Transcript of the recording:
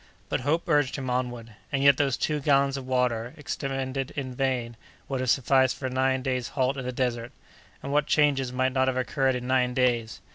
But hope urged him onward. And yet those two gallons of water, expended in vain, would have sufficed for nine days' halt in the desert. And what changes might not have occurred in nine days!